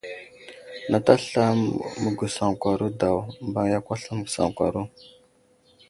Nat aslam məgwəsaŋkwaro daw, mbaŋ yakw aslam məgwəsaŋkwaro.